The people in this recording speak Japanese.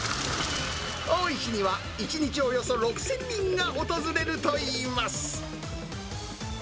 多い日には１日およそ６０００人が訪れるといいます。